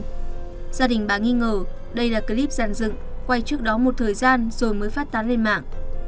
gia đình bà nghi ngờ đây là clip giàn dựng quay trước đó một thời gian rồi mới phát tán lên mạng